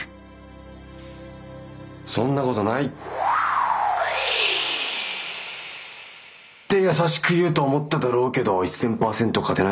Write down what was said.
そんなことない。って優しく言うと思っただろうけど１，０００％勝てないだろうな。